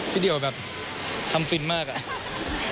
เดียวแบบทำฟินมากอะ